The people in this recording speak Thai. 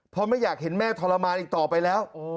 เพราะไม่อยากเห็นแม่ทรมานอีกต่อไปแล้ว